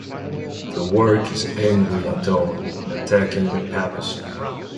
The work is angry in tone, attacking the papacy.